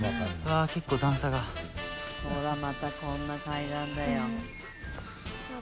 ほらまたこんな階段だよ。